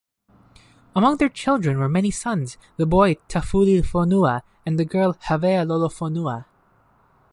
Among their children were many sons', the boy Taufulifonua and the girl Havea Lolofonua.